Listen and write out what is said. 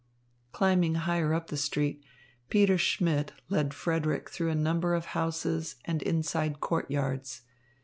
Climbing higher up the street, Peter Schmidt led Frederick through a number of houses and inside courtyards.